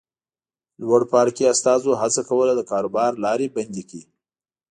لوړپاړکي استازو هڅه کوله د کاروبار لارې بندې کړي.